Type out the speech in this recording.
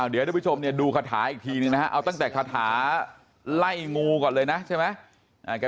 เดี๋ยวดูคาถาอีกทีนึงนะครับเอาตั้งแต่คาถาไล่งูก่อนเลยนะ